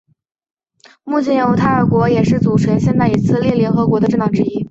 目前犹太家园党也是组成现今以色列联合政府的政党之一。